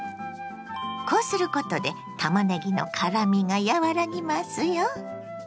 こうすることでたまねぎの辛みが和らぎますよ。